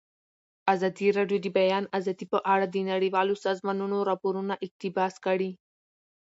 ازادي راډیو د د بیان آزادي په اړه د نړیوالو سازمانونو راپورونه اقتباس کړي.